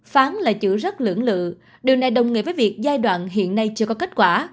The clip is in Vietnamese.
phán là chữ rất lưỡng lự điều này đồng nghĩa với việc giai đoạn hiện nay chưa có kết quả